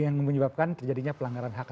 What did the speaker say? yang menyebabkan terjadinya pelanggaran harga